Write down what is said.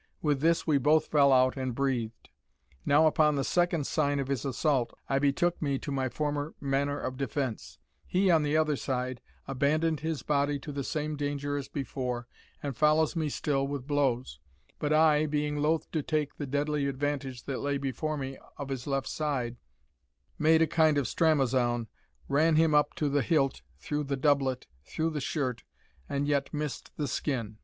With this, we both fell out and breathed. Now, upon the second sign of his assault, I betook me to my former manner of defence; he, on the other side, abandoned his body to the same danger as before, and follows me still with blows; but I, being loath to take the deadly advantage that lay before me of his left side, made a kind of stramazoun, ran him up to the hilt through the doublet, through the shirt, and yet missed the skin.